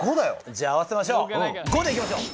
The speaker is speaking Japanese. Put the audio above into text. じゃ合わせましょう５でいきましょう。